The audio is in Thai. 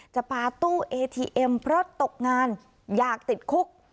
ปาตู้เอทีเอ็มเพราะตกงานอยากติดคุก